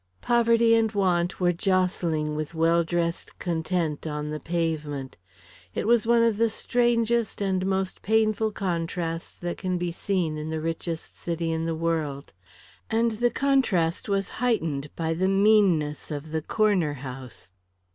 Poverty and want were jostling with well dressed content on the pavement. It was one of the strangest and most painful contrasts that can be seen in the richest city in the world. And the contrast was heightened by the meanness of the Corner House.